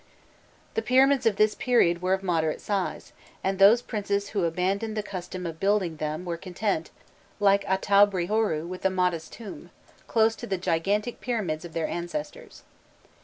The pyramids of this period were of moderate size, and those princes who abandoned the custom of building them were content like Aûtûabrî I. Horû with a modest tomb, close to the gigantic pyramids of their ancestors.